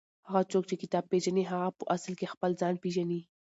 هغه څوک چې کتاب پېژني هغه په اصل کې خپل ځان پېژني.